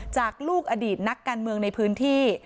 จากลูกอดีตนักการเมืองในพื้นที่